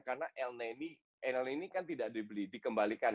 karena elneny kan tidak dibeli dikembalikan